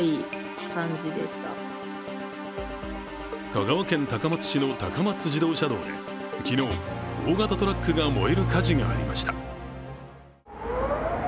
香川県高松市の高松自動車道で昨日大型トラックが燃える火事がありました。